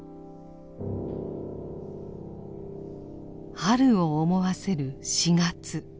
春を思わせる四月。